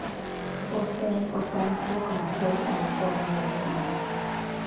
Posee importancia comercial en acuariología.